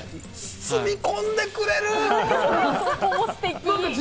包み込んでくれる！